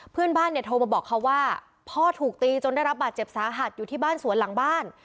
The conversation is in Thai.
เพื่อนบ้านเนี่ยโทรมาบอกเขาว่าพ่อถูกตีจนได้รับบาดเจ็บสาหัสอยู่ที่บ้านสวนหลังบ้าน